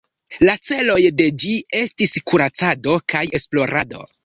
La celoj de ĝi estis kuracado kaj esplorado.